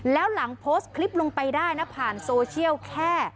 แล้วหลังโพสต์คลิปลงไปได้นะผ่านโซเชียลแค่